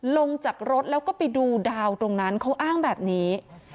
ลงจากรถแล้วก็ไปดูดาวตรงนั้นเขาอ้างแบบนี้